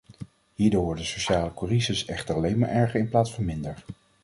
Hierdoor wordt de sociale crisis echter alleen maar erger in plaats van minder.